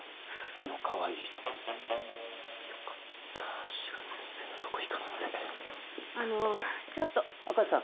あのかわいい人よかった志賀先生のとこ行かなくてあのちょっと明石さん